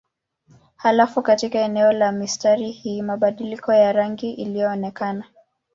Halafu katika eneo la mistari hii mabadiliko ya rangi ilionekana.